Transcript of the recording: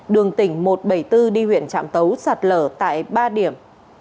đường tỉnh một trăm bảy mươi bốn đi huyện trạm tấu sạt lở tại ba điểm